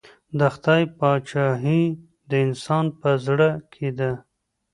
د خدای پاچهي د انسان په زړه کې ده.